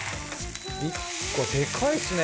１個でかいっすね。